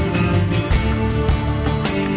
ผมคิดว่า